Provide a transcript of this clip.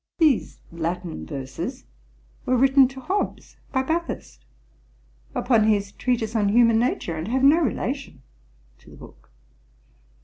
'_These Latin verses were written to Hobbes by Bathurst, upon his Treatise on Human Nature, and have no relation to the book.